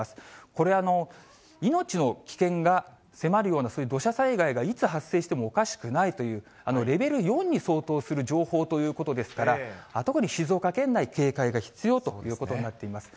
これ、命の危険が迫るような、そういう土砂災害がいつ発生してもおかしくないという、レベル４に相当する情報ということですから、特に静岡県内、警戒が必要ということになっています。